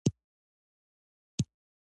نور به څه نه کووم.